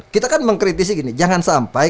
kita kan mengkritisi gini jangan sampai